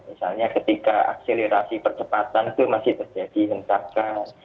misalnya ketika akselerasi percepatan itu masih terjadi hentakan